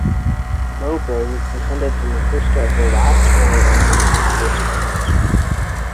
Mowbray was descended from a sister of the last earl of the previous creation.